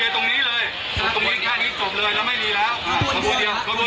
เดี๋ยวฟังบริกาศสักครู่นะครับคุณผู้ชมครับ